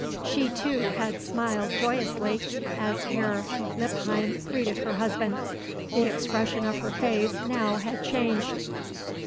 She, too, had smiled joyously as Herr Lippheim greeted her husband. The expression of her face now had changed.